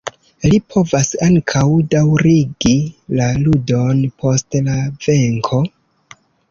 Li povas ankaŭ daŭrigi la ludon post la venko.